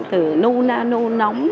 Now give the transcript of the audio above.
từ nu na nu nóng